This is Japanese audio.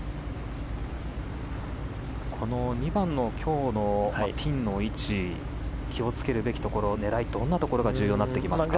２番のピンの位置気を付けるべきところ、狙いどんなところが重要になってきますか。